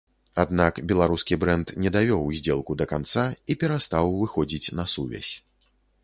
Аднак беларускі брэнд не давёў здзелку да канца, і перастаў выходзіць на сувязь.